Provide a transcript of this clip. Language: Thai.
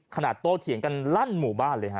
โตเถียงกันลั่นหมู่บ้านเลยฮะ